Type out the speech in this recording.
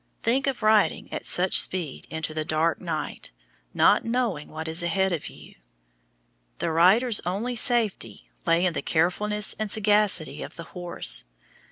Think of riding at such speed into the dark night, not knowing what is ahead of you! The rider's only safety lay in the carefulness and sagacity of the horse.